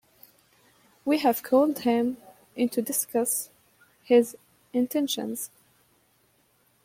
We have called him in to discuss his intentions.